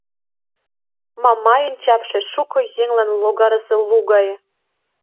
Мамайын чапше шуко еҥлан логарысе лу гае.